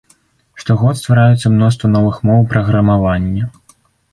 Штогод ствараюцца мноства новых моў праграмавання.